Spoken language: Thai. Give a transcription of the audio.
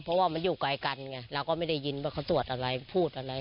เพราะว่ามันอยู่ไกลกันไงเราก็ไม่ได้ยินว่าเขาตรวจอะไรพูดอะไร